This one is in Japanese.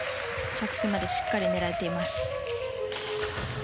着地までしっかり狙えています。